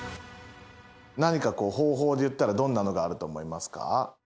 何かこう方法でいったらどんなのがあると思いますか？